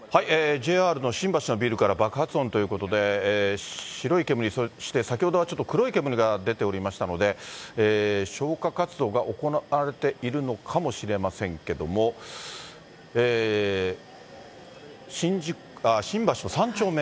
ＪＲの新橋のビルから爆発音ということで、白い煙、そして先ほどはちょっと黒い煙が出ておりましたので、消火活動が行われているのかもしれませんけれども、新橋の３丁目。